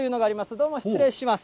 どうも失礼します。